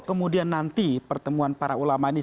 kemudian nanti pertemuan para ulama ini